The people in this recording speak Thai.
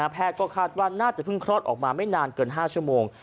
แพทย์ก็คาดว่าน่าจะเพิ่งคลอดออกมาไม่นานเกิน๕ชั่วโมง